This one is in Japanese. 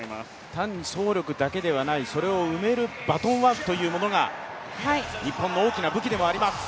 単に走力だけではないそれを埋めるバトンワークというものが日本の大きな武器でもあります。